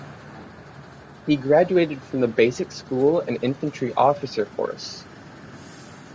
He graduated from the Basic School and Infantry Officer Course.